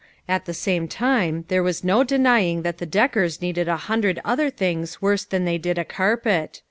At the same time there was no denying that the Deckers needed a hundred other things worse than they did a carpet.